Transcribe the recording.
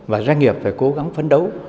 các doanh nghiệp phải cố gắng phấn đấu